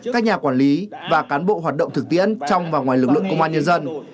các nhà quản lý và cán bộ hoạt động thực tiễn trong và ngoài lực lượng công an nhân dân